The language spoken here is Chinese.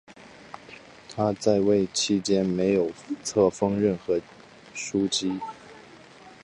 他在位期间没有册封任何枢机。